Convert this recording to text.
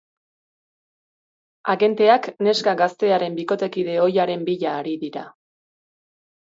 Agenteak neska gaztearen bikotekide ohiaren bila ari dira.